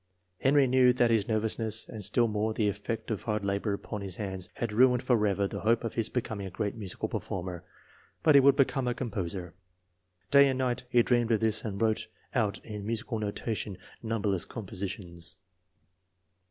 Henry knew that his nervousness, and still more the effect of hard labor upon his hands, had ruined forever the hope of his becoming a great musical performer; but he would become a composer. Day and night he dreamed of this and wrote out in musical notation numberless compositions.